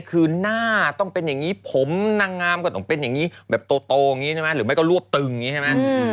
คือหน้าต้องเป็นอย่างนี้ผมนางงามก็ต้องเป็นอย่างนี้แบบโตอย่างนี้ใช่ไหมหรือไม่ก็รวบตึงอย่างนี้ใช่ไหม